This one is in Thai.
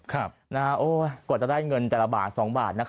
กว่าจะได้เงินแต่ละบาท๒บาท